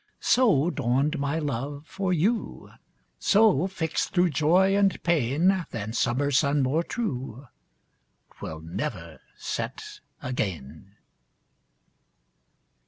So dawned my love for you; So, fixt thro' joy and pain, Than summer sun more true, 'Twill never set again.